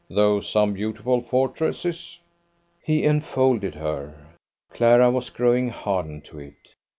though some beautiful fortresses ..." He enfolded her. Clara was growing hardened to it.